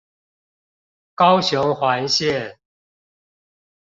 高雄環線